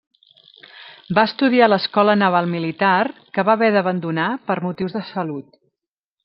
Va estudiar a l'Escola Naval Militar, que va haver d'abandonar per motius de salut.